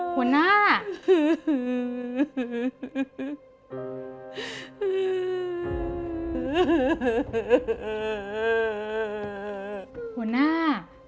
หัวหน้า